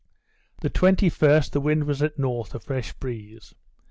The 21st, the wind was at north, a fresh breeze.